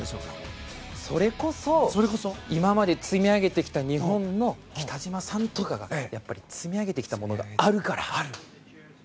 それこそ今まで積み上げてきた日本の北島さんとかが積み上げてきたものがあるから。